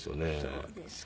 そうですか。